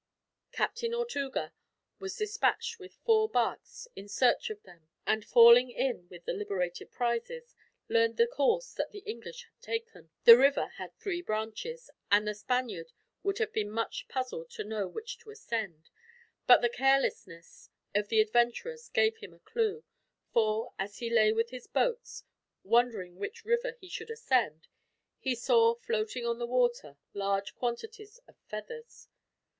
Captain Ortuga was dispatched with four barques in search of them and, falling in with the liberated prizes, learned the course that the English had taken. The river had three branches, and the Spaniard would have been much puzzled to know which to ascend; but the carelessness of the adventurers gave him a clue; for, as he lay with his boats, wondering which river he should ascend, he saw floating on the water large quantities of feathers.